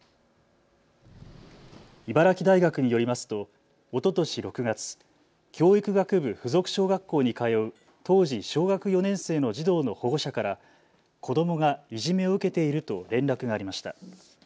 茨城大学によりますとおととし６月、教育学部附属小学校に通う当時小学４年生の児童の保護者から子どもがいじめを受けていると連絡がありました。